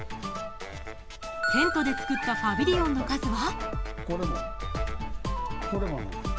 テントで作ったパビリオンの数は。